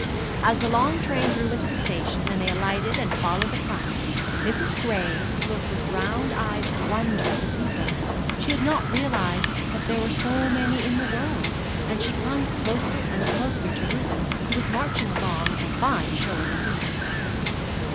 As the long train drew into the station, and they alighted and followed the crowd, Mrs. Gray looked with round eyes of wonder at the people she had not realized that there were so many in the world, and she clung closer and closer to Reuben, who was marching along with a fine show of indifference.